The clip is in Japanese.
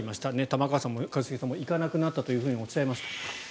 玉川さんも一茂さんも行かなくなったとおっしゃいました。